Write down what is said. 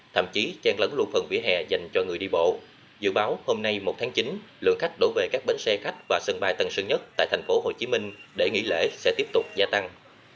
thậm chí chen lấn luôn phần vỉa hè dành cho người đi bộ dự báo hôm nay một tháng chín lượng khách đổ về các bến xe khách và sân bay tân sơn nhất tại tp hcm để nghỉ lễ sẽ tiếp tục gia tăng